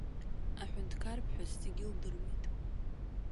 Аҳәынҭқарԥҳәыс зегьы лдыруеит.